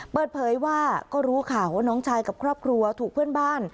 เปิดเผยว่าก็รู้ข่าวว่าน้องชายกับครอบครัวถูกเพื่อนบ้าน